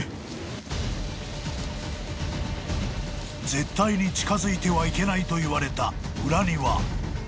［絶対に近づいてはいけないと言われた裏庭］